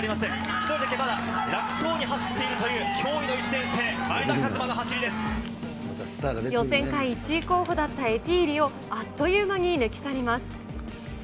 一人だけまだ楽そうに走っているという驚異の１年生、予選会１位候補だったエティーリをあっという間に抜き去ります。